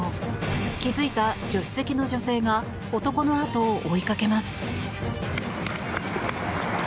気付いた助手席の女性が男の後を追いかけます。